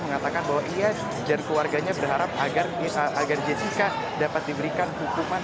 mengatakan bahwa ia dan keluarganya berharap agar jessica dapat diberikan hukuman